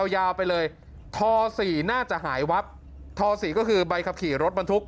ยาวไปเลยท๔น่าจะหายวับท๔ก็คือใบขับขี่รถบรรทุก